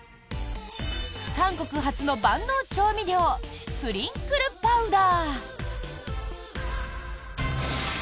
韓国発の万能調味料プリンクルパウダー。